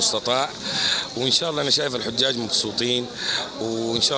dan semoga keuntungan kita bisa mencapai keuntungan